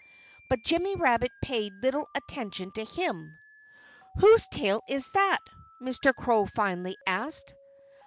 But Jimmy Rabbit paid little attention to him. "Whose tail is that?" Mr. Crow finally asked.